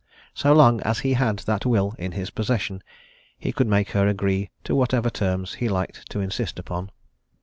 So long as he had that will in his possession, he could make her agree to whatever terms he liked to insist upon.